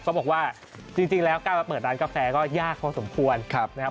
ก็บอกว่าจริงแล้วการมาเปิดร้านกาแฟก็ยากพอสมควรนะครับ